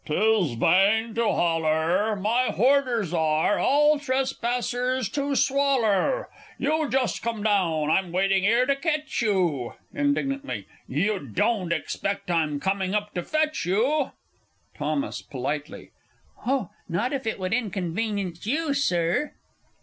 _ 'Tis vain to holler My horders are all trespassers to swoller! You just come down I'm waiting 'ere to ketch you. (Indignantly.) You don't expect I'm coming up to fetch you! Thos. (politely.) Oh, not if it would inconvenience you, Sir!